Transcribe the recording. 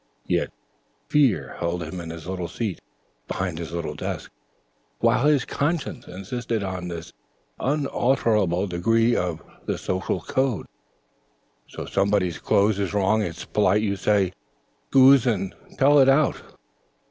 Yet fear held him in his little seat behind his little desk, while his conscience insisted on this unalterable decree of the social code: "So somebody's clothes is wrong it's polite you says ''scuse' and tells it out."